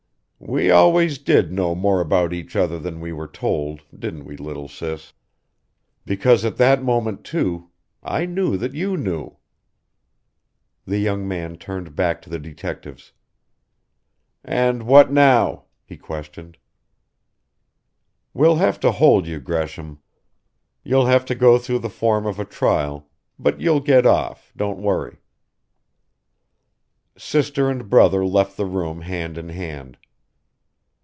"We always did know more about each other than we were told, didn't we, Little Sis? Because at that moment, too, I knew that you knew!" The young man turned back to the detectives "And what now?" he questioned. "We'll have to hold you, Gresham. You'll have to go through the form of a trial but you'll get off, don't worry!" Sister and brother left the room hand in hand.